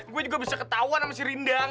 gue juga bisa ketahuan sama si rindang